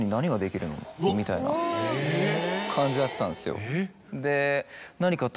みたいな感じだったんですよ。